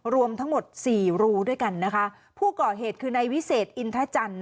รวมทั้งหมดสี่รูด้วยกันนะคะผู้ก่อเหตุคือนายวิเศษอินทจันทร์